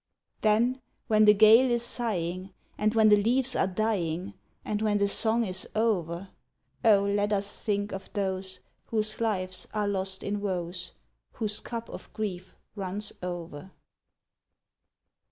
Then, when the gale is sighing, And when the leaves are dying, And when the song is o'er, O, let us think of those Whose lives are lost in woes, Whose cup of grief runs o'er.